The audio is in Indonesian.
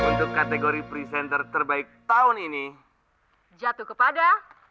untuk kategori presenter terbaik tahun ini jatuh kepada